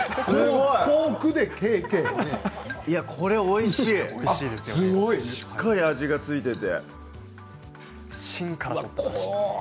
これおいしいしっかり味が付いていて。